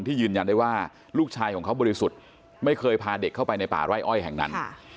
ยืนยันได้ว่าลูกชายของเขาบริสุทธิ์ไม่เคยพาเด็กเข้าไปในป่าไร่อ้อยแห่งนั้น